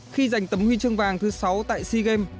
khi giành tấm huy chương vàng thứ sáu tại sea games